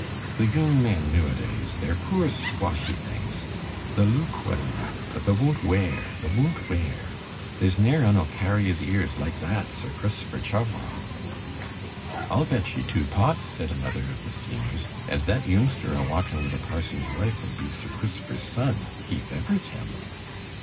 'Th' yoong men noo a deys, the're poor squashy things the' looke well anoof, but the' woon't wear, the' woon't wear. Theer's ne'er un'll carry his 'ears like that Sir Cris'fer Chuvrell.' 'Ull bet ye two pots,' said another of the seniors, 'as that yoongster a walkin' wi' th' parson's wife 'll be Sir Cris'fer's son he fevours him.